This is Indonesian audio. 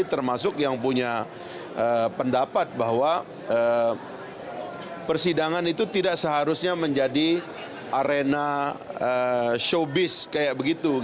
termasuk yang punya pendapat bahwa persidangan itu tidak seharusnya menjadi arena showbiz kayak begitu